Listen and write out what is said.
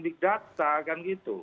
bidata kan gitu